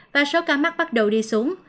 và số ca mắc bắt đầu đi xuống